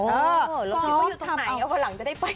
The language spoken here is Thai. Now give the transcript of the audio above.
เออแล้วคิดว่าอยู่ตรงไหนเอาอันหลังจะได้ไป